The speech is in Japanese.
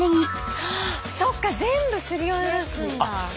そっか全部すりおろすんだ。